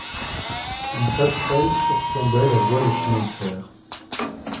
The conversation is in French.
Une passerelle surplombait la voie de chemin de fer.